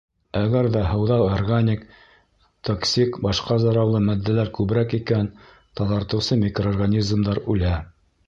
Әгәр ҙә һыуҙа органик, токсик, башҡа зарарлы матдәләр күберәк икән, таҙартыусы микроорганизмдар үлә.